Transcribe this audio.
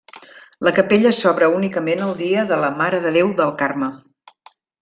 La capella s'obre únicament el dia de la Mare de Déu del Carme.